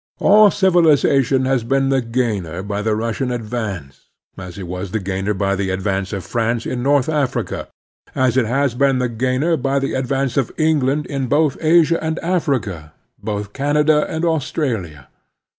All civilization has been the gainer by the Russian advance, as it was the gainer by the advance of France in North Africa ; as it has been the gainer by the advance of England in both Asia and Africa, both Canada and Australia.